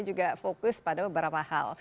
terus pada beberapa hal